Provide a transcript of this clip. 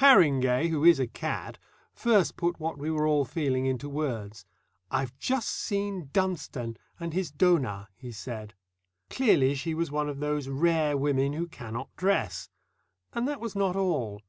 Harringay, who is a cad, first put what we were all feeling into words. "I've just seen Dunstone and his donah," he said. Clearly she was one of those rare women who cannot dress. And that was not all.